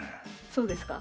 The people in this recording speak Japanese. そうですか？